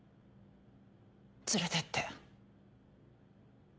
連れてって。